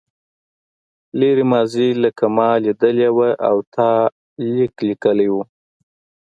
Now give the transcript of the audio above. لرې ماضي لکه ما لیدلې وه او تا لیک لیکلی و.